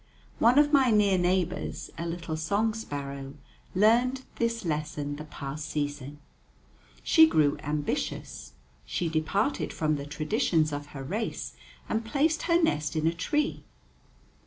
One of my near neighbors, a little song sparrow, learned this lesson the past season. She grew ambitious; she departed from the traditions of her race, and placed her nest in a tree.